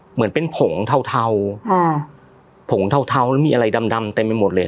เหมือนเป็นผงเทาเทาค่ะผงเทาเทาแล้วมีอะไรดำดำเต็มไปหมดเลย